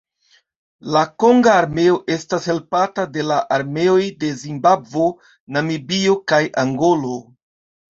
La konga armeo estas helpata de la armeoj de Zimbabvo, Namibio kaj Angolo.